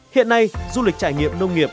hiện nay du lịch trải nghiệm nông nghiệp